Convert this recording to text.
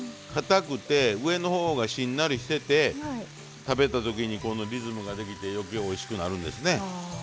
かたくて上の方がしんなりしてて食べた時にリズムができて余計おいしくなるんですね。